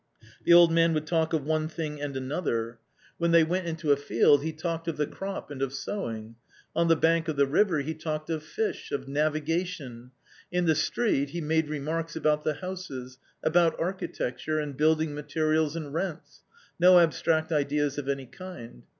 The old man would talk of one thing and another. When A COMMON STORY 203 they went into a field, he talked of the crop and of sowing ; on the bank of the river he talked of fish, of navigation ; in the street, he made remarks about the houses, about archi tecture, and building materials and rents .... no abstract ideas of any kind.